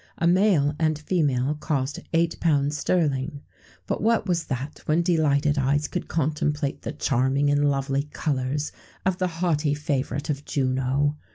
A male and female cost £8 sterling.[XVII 122] But what was that, when delighted eyes could contemplate the charming and lovely colours of the haughty favourite of Juno!